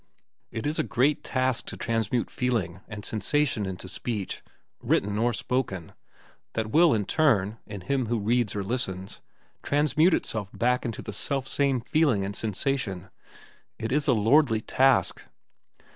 It is a great task to transmute feeling and sensation into speech, written or spoken, that will, in turn, in him who reads or listens, transmute itself back into the selfsame feeling and sensation. It is a lordly task.